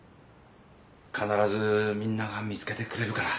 必ずみんなが見つけてくれるから。